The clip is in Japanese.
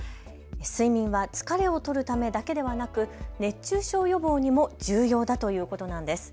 睡眠は疲れを取るためだけではなく熱中症予防にも重要だということなんです。